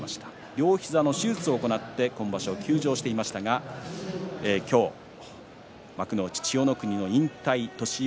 両膝の手術を行って今場所、休場していましたが今日、幕内千代の国の引退年寄